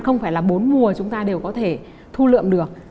không phải là bốn mùa chúng ta đều có thể thu lượm được